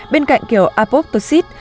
bên cạnh kiểu apoptosis